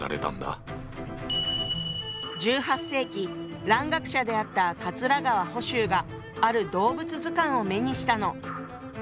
１８世紀蘭学者であった桂川甫周がある動物図鑑を目にしたの。